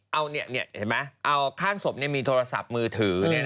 เอาแค่นศพเท่าไหร่มีโทรศัพท์มือถือ